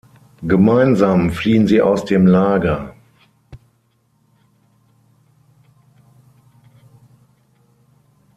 Gemeinsam fliehen sie aus dem Lager.